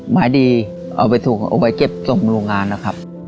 ไม้ดีเอาไปเก็บตรงโรงงานนะครับ